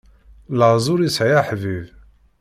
Laẓ ur isɛi aḥbib.